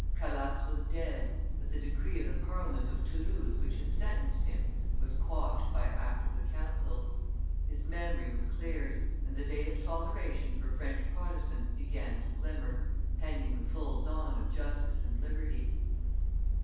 Calas was dead, but the decree of the Parliament of Toulouse which had sentenced him, was quashed by act of the council: his memory was cleared, and the day of toleration for French Protestants began to glimmer, pending the full dawn of justice and liberty.